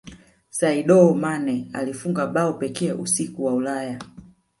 saidio mane alifunga bao pekee usiku wa ulaya